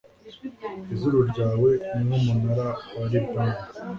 izuru ryawe ni nk'umunara wa libani